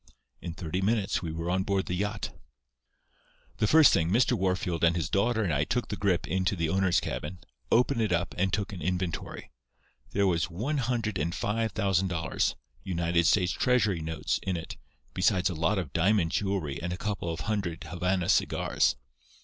In thirty minutes we were on board the yacht. "The first thing, Mr. Wahrfield and his daughter and I took the grip into the owner's cabin, opened it up, and took an inventory. There was one hundred and five thousand dollars, United States treasury notes, in it, besides a lot of diamond jewelry and a couple of hundred Havana cigars.